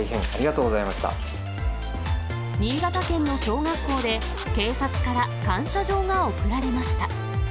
新潟県の小学校で、警察から感謝状が贈られました。